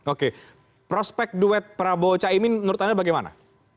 oke prospek duet prabowo caimin menurut anda bagaimana